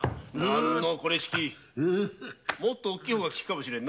何のこれしきもっと大きい方が効くかもな。